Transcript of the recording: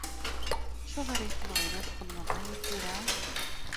Acuɣer i tebɣiḍ ad txedmeḍ aya tura?